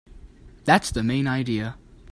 That's the main idea.